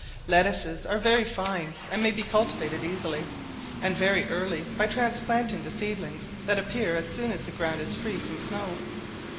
Lettuces are very fine, and may be cultivated easily, and very early, by transplanting the seedlings that appear as soon as the ground is free from snow.